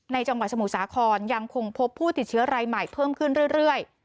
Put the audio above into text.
จังหวัดสมุทรสาครยังคงพบผู้ติดเชื้อรายใหม่เพิ่มขึ้นเรื่อย